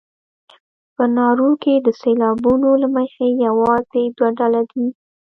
په نارو کې د سېلابونو له مخې یوازې دوه ډوله دي.